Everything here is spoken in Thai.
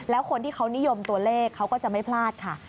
แล้วคนที่เขานิยมตัวเลขเขาก็จะไม่พลาดค่ะ